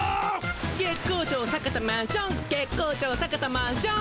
月光町坂田マンション月光町坂田マンション。